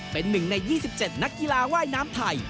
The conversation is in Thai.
เป็น๑ใน๒๗นักกีฬาว่ายน้ำไทย